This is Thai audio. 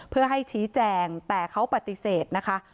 เพื่อให้ชี้แจงแต่เขาปฏิเสธนะคะ